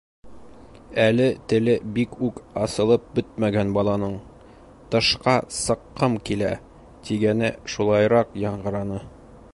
Әле теле бик үк асылып бөтмәгән баланың: «Тышҡа сыҡҡым килә» тигәне шулайыраҡ яңғыраны.